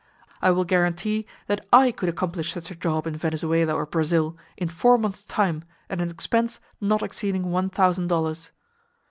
I will guarantee that I could accomplish such a job in Venezuela or Brazil, in four months' time, at an expense not exceeding one thousand dollars.